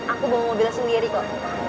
aku bawa mobil sendiri kok